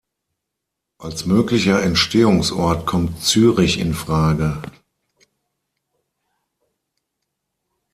Als möglicher Entstehungsort kommt Zürich in Frage.